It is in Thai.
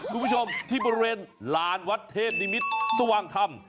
คุณผู้ชมที่บริเวณลานวัดเทพนิมิตรสว่างธรรม